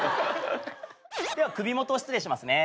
では首元失礼しますね。